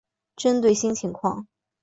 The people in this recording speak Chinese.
针对新情况